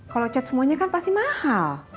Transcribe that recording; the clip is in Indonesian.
kalau cat semuanya kan pasti mahal